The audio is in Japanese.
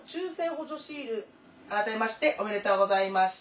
改めましておめでとうございました。